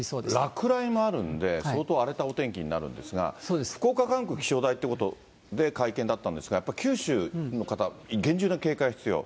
落雷もあるんで、相当荒れたお天気になるんですが、福岡管区気象台ということで、会見だったんですが、やっぱり九州の方、厳重な警戒が必要。